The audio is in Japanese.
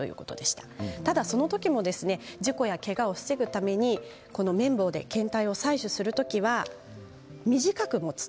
ただ、その時も事故やけがを防ぐために綿棒で検体を採取する時は短く持つ。